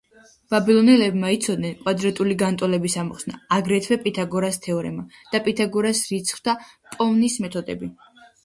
ბაბილონელებმა იცოდნენ კვადრატული განტოლების ამოხსნა, აგრეთვე „პითაგორას თეორემა“ და „პითაგორას“ რიცხვთა პოვნის მეთოდები.